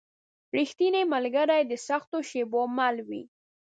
رښتینی ملګری د سختو شېبو مل وي.